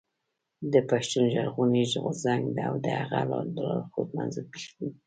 د پښتون ژغورني غورځنګ او د هغه د لارښود منظور پښتين.